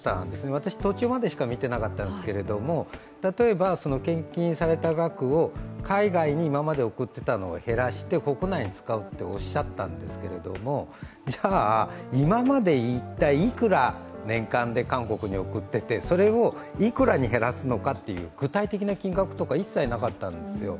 私、途中までしか見ていなかったんですけど例えば献金された額を海外に今まで送っていたのを減らして国内に使うとおっしゃったんですけれども、じゃあ、今まで一体、いくら年間で何億韓国に送っていてそれをいくらに減らすのかという具体的な金額とか一切なかったんですよ。